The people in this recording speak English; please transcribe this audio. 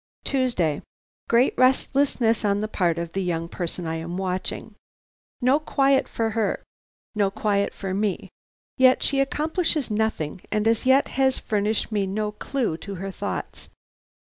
"Tuesday. "Great restlessness on the part of the young person I am watching. No quiet for her, no quiet for me, yet she accomplishes nothing, and as yet has furnished me no clue to her thoughts.